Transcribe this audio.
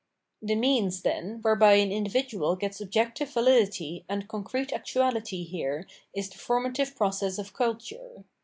The means, then, whereby an individual gets objec tive validity and concrete actuahty here is the forma tive process of Culture.